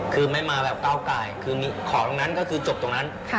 คือไม่มาแบบก้าวไก่คือของตรงนั้นก็คือจบตรงนั้น